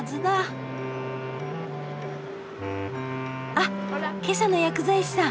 あっ今朝の薬剤師さん。